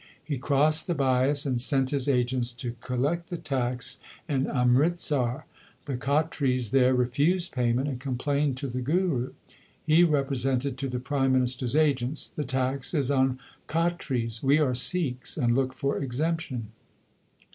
He crossed the Bias and sent his agents to collect the tax in Amritsar. The Khatris there refused payment and complained to the Guru. He represented to the Prime Ministers agents : The tax is on Khatris. We are Sikhs and look for exemption.